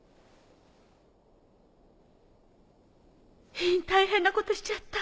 ヒン大変なことしちゃった。